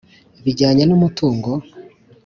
bijyanye n’umutungo?